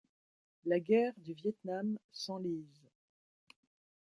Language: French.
La guerre du Viêt Nam s'enlise.